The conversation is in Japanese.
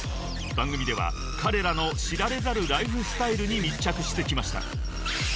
［番組では彼らの知られざるライフスタイルに密着してきました］